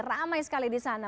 namai sekali di sana